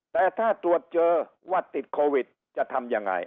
แต่ถ้าตรวจเจอว่าติดโควิดจะทำยังไง